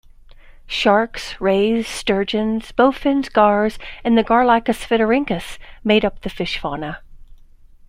Sharks, rays, sturgeons, bowfins, gars and the gar-like "Aspidorhynchus" made up the fish fauna.